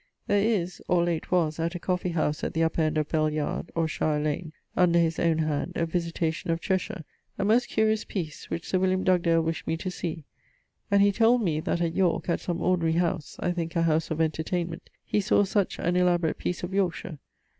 There is (or late was) at a coffee house at the upper end of Bell yard (or Shier lane), under his owne hand, a Visitation of Cheshire, a most curious piece, which Sir Wm. Dugdale wish't me to see; and he told me that at York, at some ordinary house (I thinke a house of entertainment) he sawe such an elaborate piece of Yorkshire.